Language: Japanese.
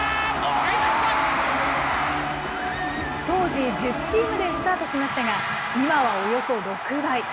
当時、１０チームでスタートしましたが、今はおよそ６倍。